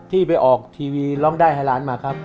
ที่ไปออกทีวีร้องได้ให้ล้านมาครับ